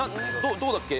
どうだっけ？